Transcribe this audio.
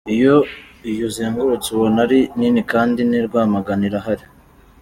Iyo uyi zengurutse ubona ari nini kandi n’i Rwamagana irahari,.